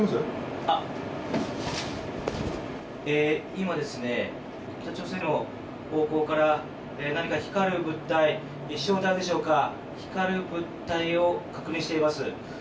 今、北朝鮮の方向から何か光る物体、飛翔体でしょうか光る物体を確認しています。